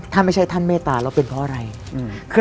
ถ้าไม่ใช่ท่านเมตตาแล้วเป็นเพราะอะไร